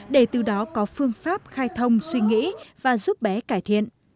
để từ đó có phương pháp khai thông suy nghĩ và giúp bé cải thiện